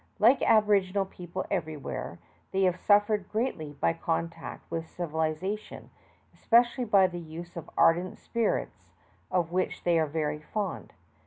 Like aboriginal people everywhere, they have suffered greatly by contact with civilization, especially by the use of ardent spirits, of which they are very fond.